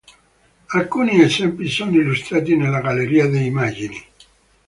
Alcuni esempi sono illustrati nella galleria di immagini.